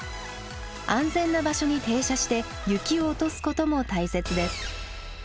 安全な場所に停車して雪を落とすことも大切です。